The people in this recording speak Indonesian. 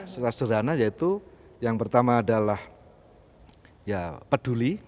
secara sederhana yaitu yang pertama adalah peduli